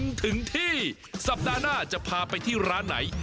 ถึงที่สัปดาห์หน้าจะพาไปที่ร้านไหน